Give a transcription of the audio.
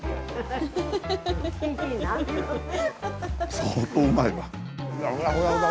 相当うまいわ。